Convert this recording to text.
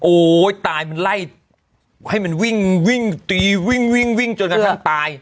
โอ้ยตายมันไล่ให้มันวิ่งวิ่งตีวิ่งวิ่งจนกระทั่งตาย